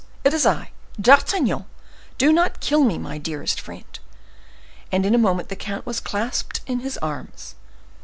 it is I, D'Artagnan! Do not kill me, my dearest friend!" And in a moment the count was clasped in his arms.